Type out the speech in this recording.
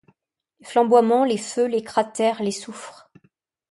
Les flamboiements, les feux, les cratères, les soufres